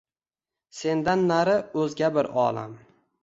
Sendan nari oʼzga bir olam